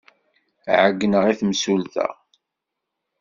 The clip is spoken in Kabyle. Ɛeyyneɣ i temsulta.